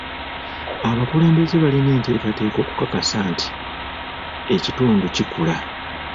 Abakulembeze balina enteekateeka okukakasa nti ekitundu kikula.